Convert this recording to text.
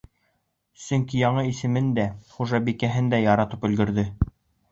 Сөнки яңы исемен дә, хужабикәһен дә яратып өлгөрҙө.